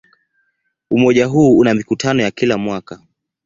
Umoja huu una mikutano ya kila mwaka.